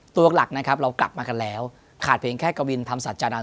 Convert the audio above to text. ตัวหลักนะครับเรากลับมากันแล้วขาดเพียงแค่กวินธรรมสัจจานันท